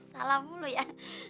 salam mulu ya